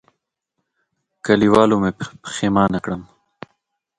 کلیوالو مې پښېمانه کړم.